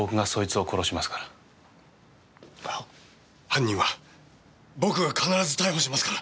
犯人は僕が必ず逮捕しますから。